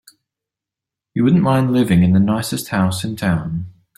You wouldn't mind living in the nicest house in town.